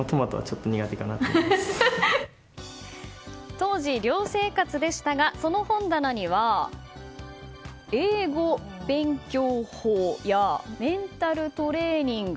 当時、寮生活でしたがその本棚には「英語勉強法」や「メンタルトレーニング」。